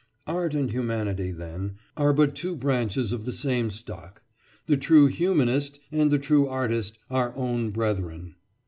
Art and humanity, then, are but two branches of the same stock: the true humanist and the true artist are own brethren.